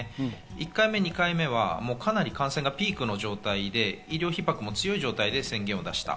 １回目、２回目はかなり感染がピークの状態で医療逼迫も強い状態で宣言を出した。